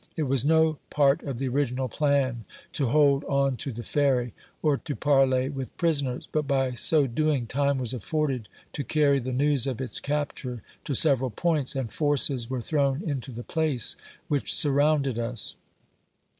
It was no part of the original plan to hold on to the Ferry, or to parley with prisoners ; but by so doing, time was afforded to carry the news of its capture to several points, and forces were thrown into the place, which sur rounded us.